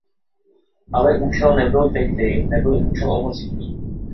Ale účel nebyl tehdy nebyl účel o moc jiný.